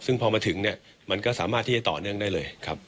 ซึ่งพอมาถึงเนี่ยมันก็สามารถที่จะต่อเนื่องได้เลยครับ